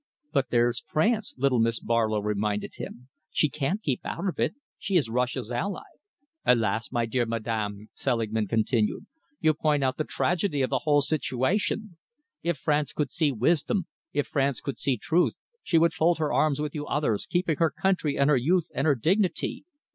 "But there's France," little Mrs. Barlow reminded him. "She can't keep out of it. She is Russia's ally." "Alas! my dear madam," Selingman continued, "you point out the tragedy of the whole situation. If France could see wisdom, if France could see truth, she would fold her arms with you others, keep her country and her youth and her dignity.